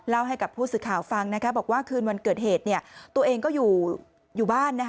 ให้กับผู้สื่อข่าวฟังบอกว่าคืนวันเกิดเหตุตัวเองก็อยู่บ้าน